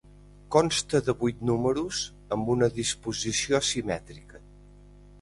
Consta de vuit números amb una disposició simètrica.